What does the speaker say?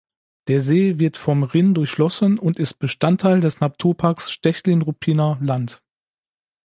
Der See wird vom Rhin durchflossen und ist Bestandteil des Naturparks Stechlin-Ruppiner Land.